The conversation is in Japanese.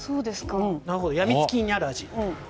病みつきになる味。